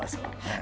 え？